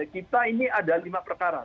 kita ini ada lima perkara